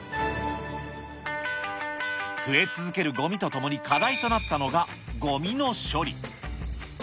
増え続けるごみとともに課題となったのがごみの処理。